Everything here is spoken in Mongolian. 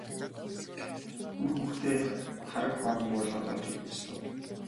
Үр хүүхдээ тараг хоормог уулгаад унтуулж үзсэн үү?